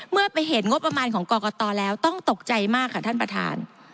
เมื่อไปเห็นงบประมาณของกรกตแล้วต้องตกใจมากค่ะท่านประธาน